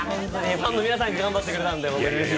ファンの皆さんが頑張ってくれたんで。